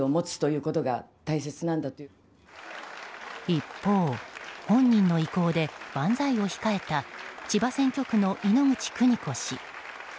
一方、本人の意向で万歳を控えた千葉選挙区の猪口邦子氏。